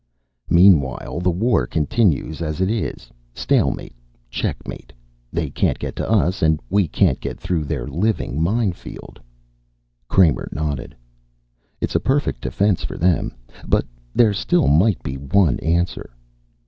"Meanwhile the war continues as it is. Stalemate. Checkmate. They can't get to us, and we can't get through their living minefield." Kramer nodded. "It's a perfect defense, for them. But there still might be one answer."